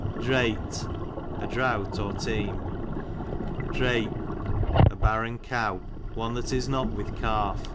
Draight, a drought or team. Drape, a barren cow, one that is not with calf.